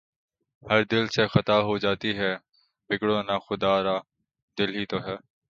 ہر دل سے خطا ہو جاتی ہے، بگڑو نہ خدارا، دل ہی تو ہے